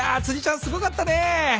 辻ちゃんすごかったね。